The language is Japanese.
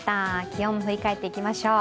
気温振り返っていきましょう。